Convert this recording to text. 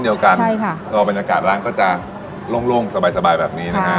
เพราะว่าบรรยากาศร้านล่างก็จะโล่งสบายแบบนี้นะฮะ